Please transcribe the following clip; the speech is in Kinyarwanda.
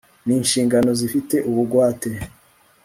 n inshingano zifite ubugwate